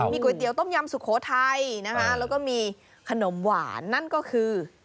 ก๋วยเตี๋ยต้มยำสุโขทัยนะคะแล้วก็มีขนมหวานนั่นก็คือ